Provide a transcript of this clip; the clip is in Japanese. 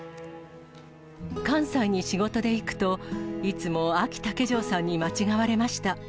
関西に仕事で行くと、いつもあき竹城さんに間違われました。